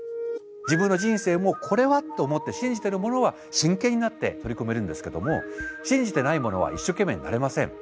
自分の人生もこれはと思って信じてるものは真剣になって取り組めるんですけども信じてないものは一生懸命になれません。